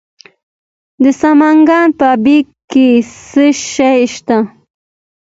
د سمنګان په ایبک کې څه شی شته؟